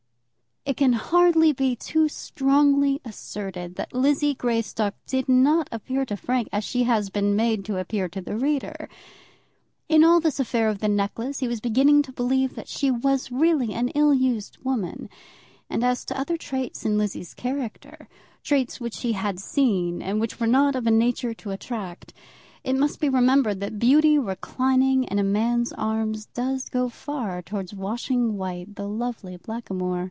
It can hardly be too strongly asserted that Lizzie Greystock did not appear to Frank as she has been made to appear to the reader. In all this affair of the necklace he was beginning to believe that she was really an ill used woman; and as to other traits in Lizzie's character, traits which he had seen, and which were not of a nature to attract, it must be remembered that beauty reclining in a man's arms does go far towards washing white the lovely blackamoor.